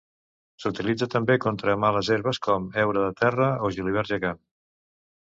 S'utilitza també contra males herbes com heura de terra o julivert gegant.